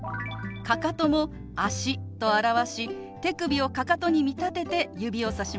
かかとも「足」と表し手首をかかとに見立てて指をさします。